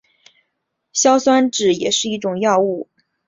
硝酸酯也是一类药物。